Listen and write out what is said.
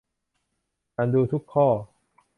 อ่านดูทุกข้อ